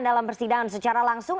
dalam persidangan secara langsung